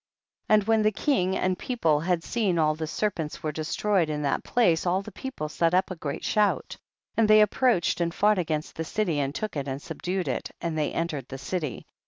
24. And when the king and people had seen that all the serpents were destroyed in that place, all the people set up a great shout. 25. And they approached and fought against the city and look it and subdued it, and they entered the city.